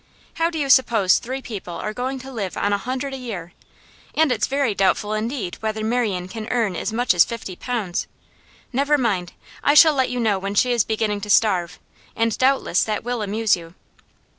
How do you suppose three people are going to live on a hundred a year? And it's very doubtful indeed whether Marian can earn as much as fifty pounds. Never mind; I shall let you know when she is beginning to starve, and doubtless that will amuse you.